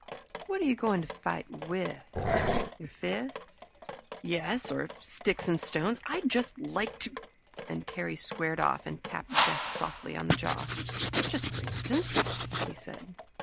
"What are you going to fight with your fists?" "Yes or sticks and stones I'd just like to!" And Terry squared off and tapped Jeff softly on the jaw. "Just for instance," he said.